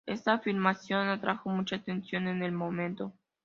Esta afirmación atrajo mucha atención en el momento.